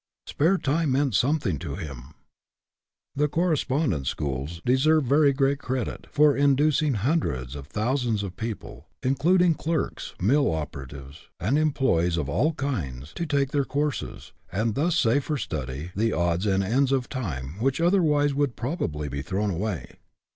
Spare time meant something to him. The correspondence schools deserve very great credit for inducing hundreds of thou sands of people, including clerks, mill oper atives, and employees of all kinds, to take their courses, and thus save for study the odds and ends of time which otherwise would probably be thrown away.